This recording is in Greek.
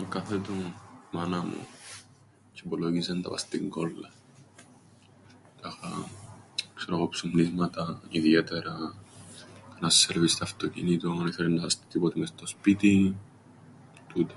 Εκάθετουν η μάνα μου τζ̆ι υπολόγιζεν τα πά' στην κόλλαν. Τάχα... ξέρω 'γω, ψουμνίσματα... ιδιαίτερα... ένα σέρβις τ' αυτοκίνητον... ήθελεν να σαστεί τίποτε μες στο σπίτιν... τούτα.